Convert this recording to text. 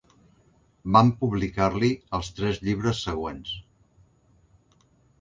Van publicar-li els tres llibres següents.